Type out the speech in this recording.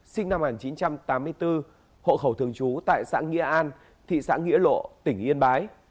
sinh năm một nghìn chín trăm tám mươi bốn hộ khẩu thường trú tại xã nghĩa an thị xã nghĩa lộ tỉnh yên bái